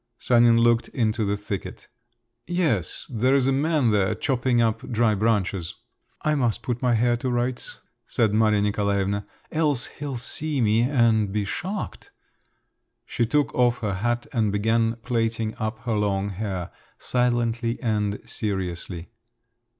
Sanin looked into the thicket. "Yes … there's a man there chopping up dry branches." "I must put my hair to rights," said Maria Nikolaevna. "Else he'll see me and be shocked." She took off her hat and began plaiting up her long hair, silently and seriously.